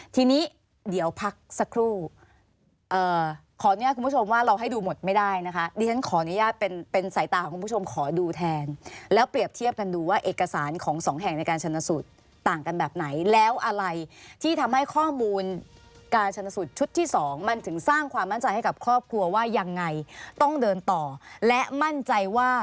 ทีนี้เดี๋ยวพักสักครู่ขออนุญาตคุณผู้ชมว่าเราให้ดูหมดไม่ได้นะคะดิฉันขออนุญาตเป็นสายตาของคุณผู้ชมขอดูแทนแล้วเปรียบเทียบกันดูว่าเอกสารของสองแห่งในการชนสูตรต่างกันแบบไหนแล้วอะไรที่ทำให้ข้อมูลการชนสูตรชุดที่สองมันถึงสร้างความมั่นใจให้กับครอบครัวว่ายังไงต้องเดินต่อและมั่นใจว่า